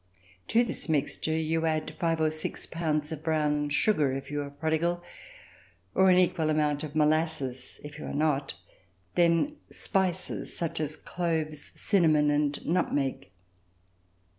To this mixture you add five or six pounds of brown sugar, if you are prodigal, or an equal amount of molasses, if you are not, then spices, such as cloves, cinnamon and nutmeg.